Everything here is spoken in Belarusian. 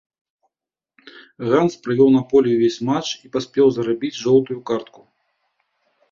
Ганс правёў на полі ўвесь матч і паспеў зарабіць жоўтую картку.